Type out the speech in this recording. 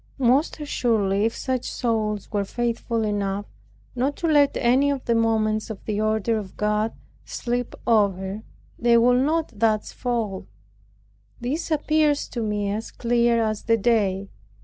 Most assuredly if such souls were faithful enough, not to let any of the moments of the order of God slip over, they would not thus fall. This appears to me as clear as the day.